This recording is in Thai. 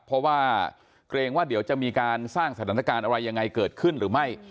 เพราะว่าเกรงว่าเดี๋ยวจะมีการสร้างสถานการณ์อะไรยังไงเกิดขึ้นหรือไม่